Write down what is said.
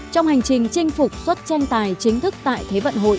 trong hành trình chinh phục xuất tranh tài chính thức tại thế vận hội